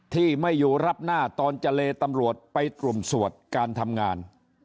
ที่ไม่อยู่รับหน้าตอนเจรตำรวจไปกลุ่มสวดการทำงาน